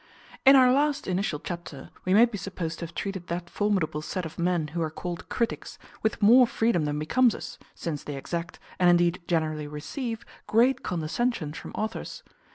In our last initial chapter we may be supposed to have treated that formidable set of men who are called critics with more freedom than becomes us; since they exact, and indeed generally receive, great condescension from authors.